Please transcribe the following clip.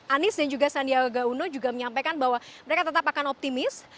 anies dan juga sandiaga uno juga menyampaikan bahwa mereka tetap akan optimis